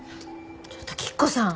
ちょっと吉子さん